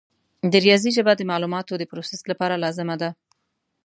د ریاضي ژبه د معلوماتو د پروسس لپاره لازمه وه.